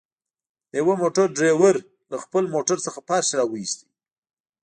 د يوه موټر ډريور له خپل موټر څخه فرش راوويست.